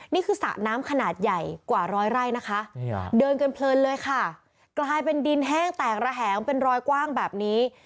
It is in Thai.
สระน้ำขนาดใหญ่กว่าร้อยไร่นะคะเดินกันเพลินเลยค่ะกลายเป็นดินแห้งแตกระแหงเป็นรอยกว้างแบบนี้